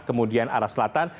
kemudian arah selatan